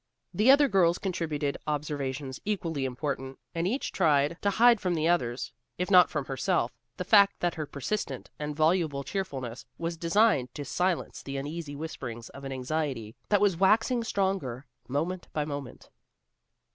The other girls contributed observations equally important, and each tried to hide from the others, if not from herself, the fact that her persistent and voluble cheerfulness was designed to silence the uneasy whisperings of an anxiety that was waxing stronger, moment by moment.